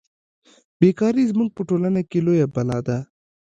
بې کاري زموږ په ټولنه کې لویه بلا ده